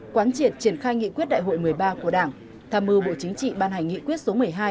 quán triệt triển khai nghị quyết đại hội một mươi ba của đảng tham mưu bộ chính trị ban hành nghị quyết số một mươi hai